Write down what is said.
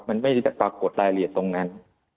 มันไม่ได้ปรากฏรายละเอียดตรงนั้น